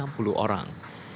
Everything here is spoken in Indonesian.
arief dita utama fikri adin